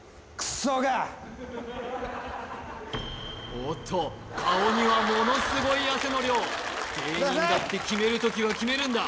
おっと顔にはものすごい汗の量芸人だって決める時は決めるんだ